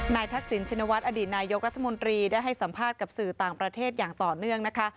ทักษิณชินวัฒนอดีตนายกรัฐมนตรีได้ให้สัมภาษณ์กับสื่อต่างประเทศอย่างต่อเนื่องนะคะ